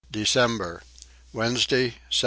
December. Wednesday 17.